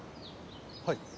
はい。